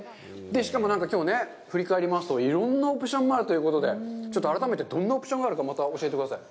しかも、なんか、これね、振り返りますと、いろんなオプションもあるということで、ちょっと改めてどんなオプションがあるか、教えてください。